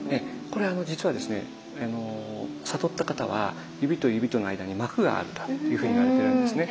これは実はですね悟った方は指と指との間に膜があったっていうふうに言われてるんですね。